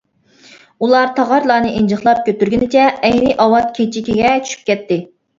ئۇلار تاغارلارنى ئىنجىقلاپ كۆتۈرگىنىچە ئەينى ئاۋات كېچىكىگە چۈشۈپ كەتتى.